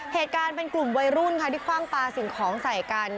เหตุการณ์เป็นกลุ่มวัยรุ่นค่ะที่คว่างปลาสิ่งของใส่กัน